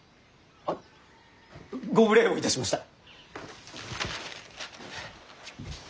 あっご無礼をいたしました。